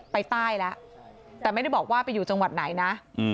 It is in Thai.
ไปใต้แล้วแต่ไม่ได้บอกว่าไปอยู่จังหวัดไหนนะ